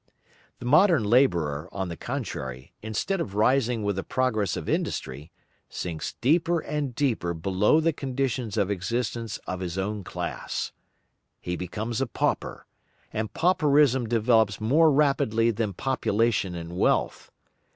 The modern laborer, on the contrary, instead of rising with the progress of industry, sinks deeper and deeper below the conditions of existence of his own class. He becomes a pauper, and pauperism develops more rapidly than population and wealth.